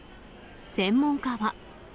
専門家は。